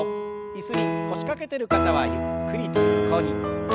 椅子に腰掛けてる方はゆっくりと横に。